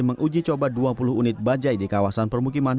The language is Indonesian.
menguji coba dua puluh unit bajai di kawasan permukiman